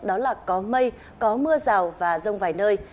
đó là có mây có mưa rào và rông vài nơi